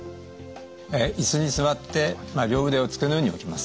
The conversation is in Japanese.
椅子に座って両腕を机の上に置きます。